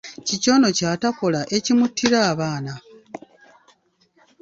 Kiki ono kyatakola ekimuttira abaana?